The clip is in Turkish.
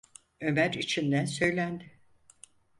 Ömer içinden söylendi: